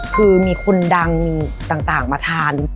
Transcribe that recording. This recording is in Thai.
คือมีคนดังมีต่างมาทาน